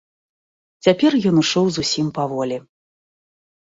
Цяпер ён ішоў зусім паволі.